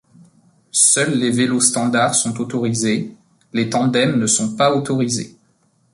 Seuls les vélos standards sont autorisés, les tandems ne sont pas autorisés.